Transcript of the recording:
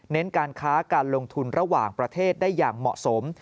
การค้าการลงทุนระหว่างประเทศได้อย่างเหมาะสม